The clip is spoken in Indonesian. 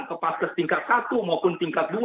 ke paskes tingkat satu maupun tingkat dua